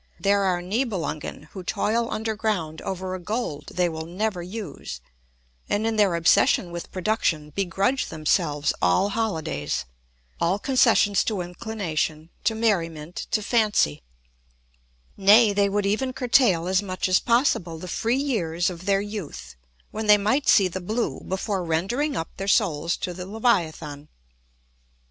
There are Nibelungen who toil underground over a gold they will never use, and in their obsession with production begrudge themselves all holidays, all concessions to inclination, to merriment, to fancy; nay, they would even curtail as much as possible the free years of their youth, when they might see the blue, before rendering up their souls to the Leviathan.